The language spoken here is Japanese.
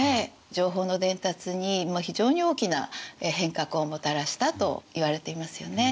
情報の伝達に非常に大きな変革をもたらしたといわれていますよね。